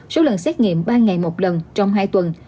số lần xét nghiệm ba ngày một lần trong hai tuần